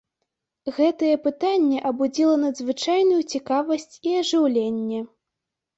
Гэтае пытанне абудзіла надзвычайную цікавасць і ажыўленне.